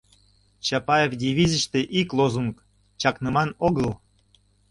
Чапаев дивизийыште ик лозунг: «Чакныман огыл!»